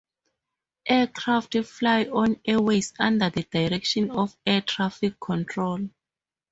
Aircraft fly on airways under the direction of air traffic control.